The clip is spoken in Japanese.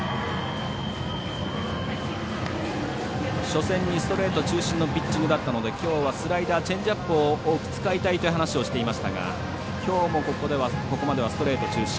初戦にストレート中心のピッチングだったのできょうはスライダーチェンジアップを多く使いたいという話をしていましたがきょうもここまではストレート中心。